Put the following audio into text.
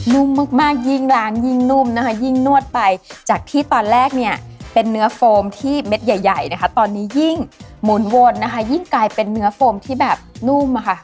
นุ่มมากยิ่งร้านยิ่งนุ่มนะคะยิ่งนวดไปจากที่ตอนแรกเนี่ยเป็นเนื้อโฟมที่เม็ดใหญ่ใหญ่นะคะตอนนี้ยิ่งหมุนวนนะคะยิ่งกลายเป็นเนื้อโฟมที่แบบนุ่มอะค่ะ